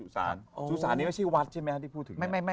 สุสานนี้ไม่ใช่วัดใช่ไหมครับที่พูดถึง